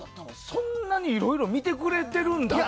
そんなにいろいろ見てくれてるんだと。